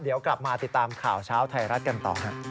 เดี๋ยวกลับมาติดตามข่าวเช้าไทยรัฐกันต่อฮะ